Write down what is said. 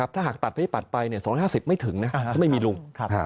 ถ้าหากตัดไฟปัดไป๒๕๐ไม่ถึงนะไม่มีรุ่ง